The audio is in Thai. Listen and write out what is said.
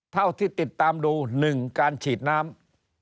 เท่าที่ติดตามดู๑การฉีดน้ำ